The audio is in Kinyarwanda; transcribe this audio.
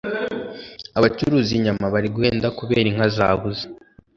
Abacuruza inyama bari guhenda kubera inka zabuze